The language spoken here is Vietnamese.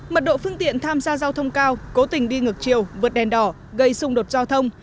mật độ phương tiện tham gia giao thông cao cố tình đi ngược chiều vượt đèn đỏ gây xung đột giao thông